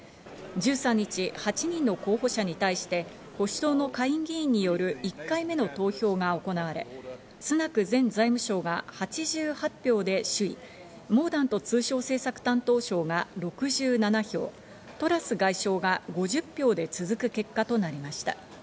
１３日、８人の候補者に対して保守党の下院議員による１回目の投票が行われ、スナク前財務相が８８票で首位、モーダント通商政策担当相が６７票、トラス外相が５０票で続く結果となりました。